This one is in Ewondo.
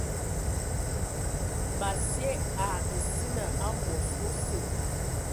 Ma sye a nsina amos osə.